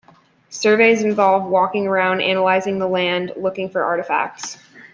Surveys involve walking around analyzing the land looking for artifacts.